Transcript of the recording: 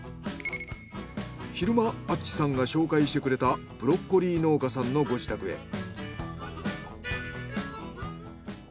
昼間あっちさんが紹介してくれたブロッコリー農家さんのご自宅へ。